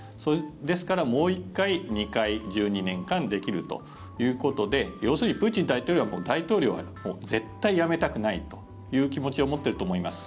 ですから、もう１回２回１２年間できるということで要するにプーチン大統領は大統領は絶対辞めたくないという気持ちを持っていると思います。